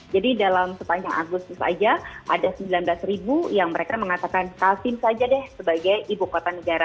jadi dalam sepanjang agustus saja ada sembilan belas yang mereka mengatakan kalsim saja deh sebagai ibu kota negara